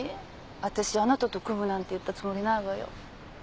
私あなたと組むなんて言ったつもりないわよ。